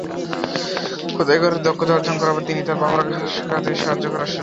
খোদাই করার দক্ষতা অর্জন করার পর তিন তাঁর বাবার কাজে সাহায্য করা শুরু করেন।